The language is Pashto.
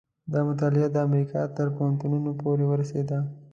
دا مطالعه د امریکا تر پوهنتونونو پورې ورسېده.